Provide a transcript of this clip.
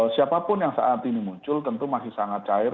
siapapun yang saat ini muncul tentu masih sangat cair